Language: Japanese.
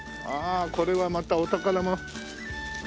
ああこれはまたお宝が。